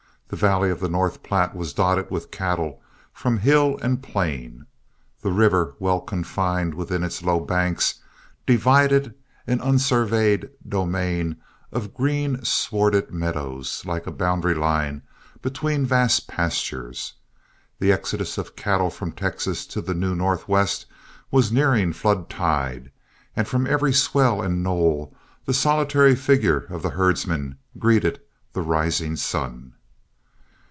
The valley of the North Platte was dotted with cattle from hill and plain. The river, well confined within its low banks, divided an unsurveyed domain of green swarded meadows like a boundary line between vast pastures. The exodus of cattle from Texas to the new Northwest was nearing flood tide, and from every swell and knoll the solitary figure of the herdsman greeted the rising sun.